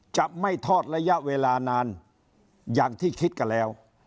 จะไม่ทอดระยะเวลานานอย่างที่คิดกันแล้ว